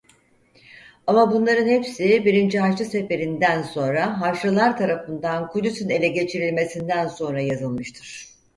Ama bunların hepsi Birinci Haçlı Seferi'nden sonra Haçlılar tarafından Kudüs'ün ele geçirilmesinden sonra yazılmıştır.